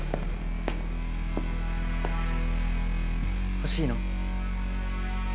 欲しいの？